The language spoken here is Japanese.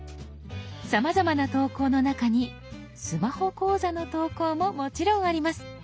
さまざまな投稿の中にスマホ講座の投稿ももちろんあります。